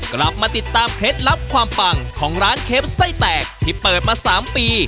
กลับมาติดตามเคล็ดลับความปังของร้านเชฟไส้แตกที่เปิดมา๓ปี